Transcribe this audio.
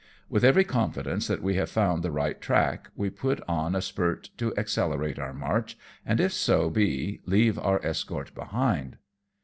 With every confidence that we have found the right track, we put on a spurt to accelerate our march, and, if so be, leave our escort behind.